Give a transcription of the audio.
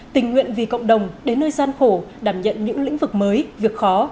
tình nguyện vì cộng đồng đến nơi gian khổ đảm nhận những lĩnh vực mới việc khó